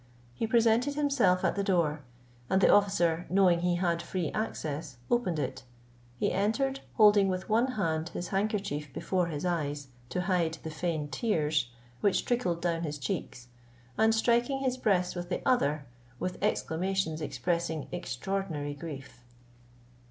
He presented himself at the door, and the officer, knowing he had free access, opened it. He entered holding with one hand his handkerchief before his eyes, to hide the feigned tears, which trickled down his cheeks, and striking his breast with the other, with exclamations expressing extraordinary grief.